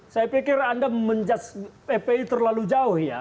saya pikir anda menjudge fpi terlalu jauh ya